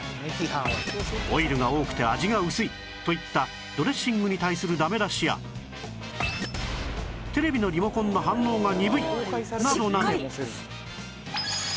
「オイルが多くて味がうすい」といったドレッシングに対するダメ出しや「テレビのリモコンの反応が鈍い」などなど